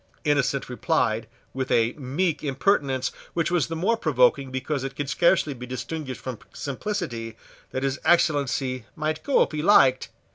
Innocent replied, with a meek impertinence which was the more provoking because it could scarcely be distinguished from simplicity, that his Excellency might go if he liked.